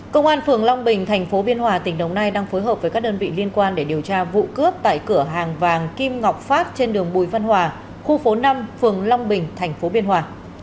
công an phường long bình thành phố biên hòa tỉnh đồng nai đang phối hợp với các đơn vị liên quan để điều tra vụ cướp tại cửa hàng vàng kim ngọc phát trên đường bùi văn hòa khu phố năm phường long bình tp biên hòa